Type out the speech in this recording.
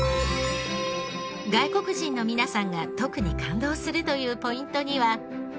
外国人の皆さんが特に感動するというポイントには。